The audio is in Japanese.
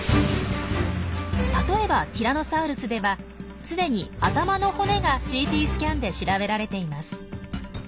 例えばティラノサウルスでは既に頭の骨がＣＴスキャンで調べられています。